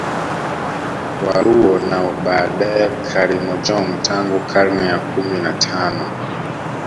Waluo na baadae Karimojong tangu karne ya kumi na tano